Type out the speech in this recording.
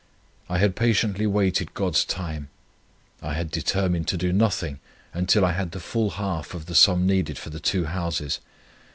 I had patiently waited God's time. I had determined to do nothing, until I had the full half of the sum needed for the two houses.